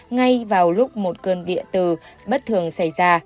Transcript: ngay vào lúc một cơn địa tử bất thường xảy ra